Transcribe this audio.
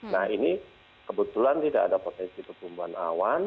nah ini kebetulan tidak ada potensi pertumbuhan awan